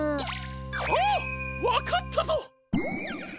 あっわかったぞ！